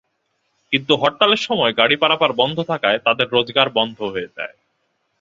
কিন্তু হরতালের সময় গাড়ি পারাপার বন্ধ থাকায় তাঁদের রোজগার বন্ধ হয়ে যায়।